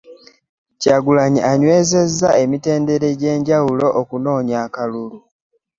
Kyagulanyi anywezezza emitendera egy'enjawulo okunoonya akalulu.